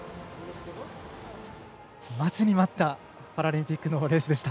待ちに待ったパラリンピックのレースでした。